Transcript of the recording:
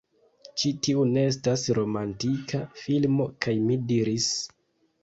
"Ĉi tiu ne estas romantika filmo!" kaj mi diris: